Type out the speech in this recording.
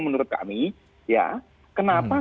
menurut kami ya kenapa